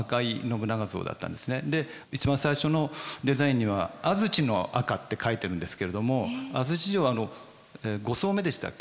で一番最初のデザインには安土の赤って描いてるんですけれども安土城は５層目でしたっけ？